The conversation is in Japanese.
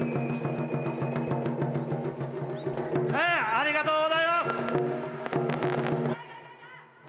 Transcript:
「ありがとうございます！」。